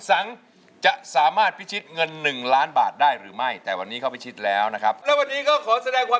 ร้องเล่นที่สอนแบบนี้รับแล้วจ้า